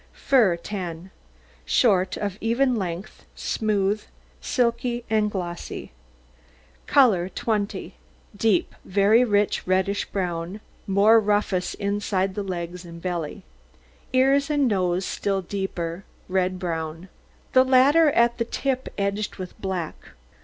FUR 10 Short, of even length, smooth, silky, and glossy. COLOUR 20 Deep, very rich reddish brown, more rufous inside the legs and belly; ears and nose a still deeper red brown, the latter at the tip edged with black.